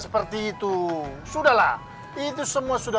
karena aku sudah nggak bisa